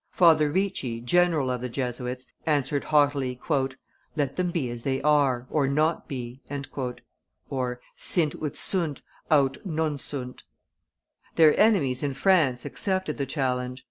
Father Ricci, general of the Jesuits, answered haughtily, "Let them be as they are, or not be" (Sint ut sunt, aut non sint). Their enemies in France accepted the challenge.